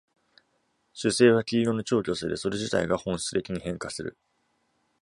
主星は黄色の超巨星で、それ自体が本質的に変化する。